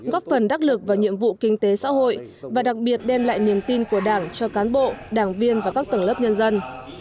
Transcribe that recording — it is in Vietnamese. góp phần đắc lực vào nhiệm vụ kinh tế xã hội và đặc biệt đem lại niềm tin của đảng cho cán bộ đảng viên và các tầng lớp nhân dân